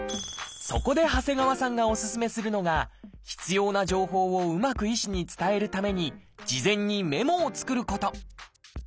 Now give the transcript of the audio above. そこで長谷川さんがお勧めするのが必要な情報をうまく医師に伝えるために事前にメモを作ること。